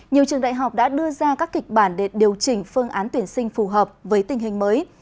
nhiều trường đại học đã đưa ra các kịch bản để điều chỉnh phương án tuyển sinh phù hợp với tình hình mới